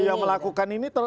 iya melakukan ini